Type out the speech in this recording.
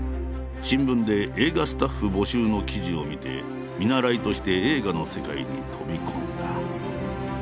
新聞で「映画スタッフ募集」の記事を見て見習いとして映画の世界に飛び込んだ。